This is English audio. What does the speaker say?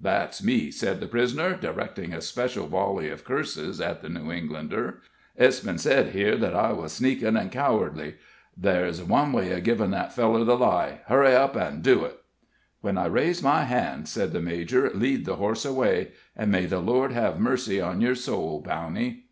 "That's me!" said the prisoner, directing a special volley of curses at the New Englander. "It's ben said here that I wuz sneakin' an' cowardly; ther's one way of givin' that feller the lie hurry up an' do it!" "When I raise my hand," said the major, "lead the horse away; and may the Lord have mercy on your soul, Bowney!"